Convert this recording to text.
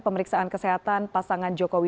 pemeriksaan kesehatan pasangan jokowi